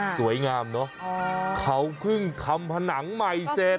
สวยงามเนอะเขาเพิ่งทำผนังใหม่เสร็จ